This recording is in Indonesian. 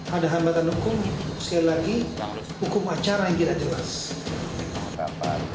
ada hambatan hukum sekali lagi hukum acara yang tidak jelas